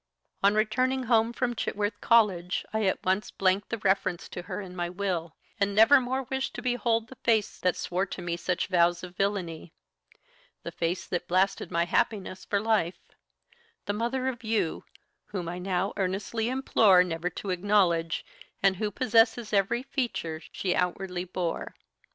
"On returning home from Chitworth College I at once blanked the reference to her in my will, and never more wished to behold the face that swore to me such vows of villainy; the face that blasted my happiness for life; the mother of you, whom I now earnestly implore never to acknowledge, and who possesses every feature she outwardly bore.